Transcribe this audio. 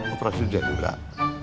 operasi jadul gak